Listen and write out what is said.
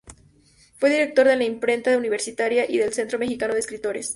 Fue director de la Imprenta Universitaria y del Centro Mexicano de Escritores.